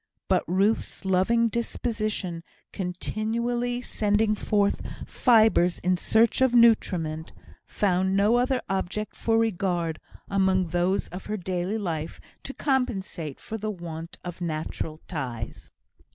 But Ruth's loving disposition, continually sending forth fibres in search of nutriment, found no other object for regard among those of her daily life to compensate for the want of natural ties.